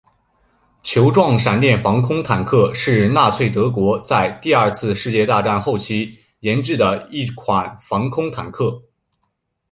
球状闪电防空坦克是纳粹德国在第二次世界大战后期研制的一款防空坦克。